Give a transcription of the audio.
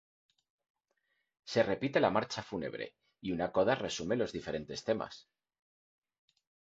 Se repite la marcha fúnebre y una coda resume los diferentes temas.